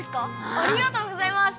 ありがとうございます！